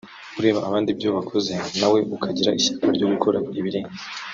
ureba abandi ibyo bakoze na we ukagira ishyaka ryo gukora ibirenze